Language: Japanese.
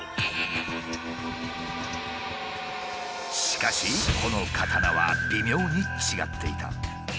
しかしこの刀は微妙に違っていた。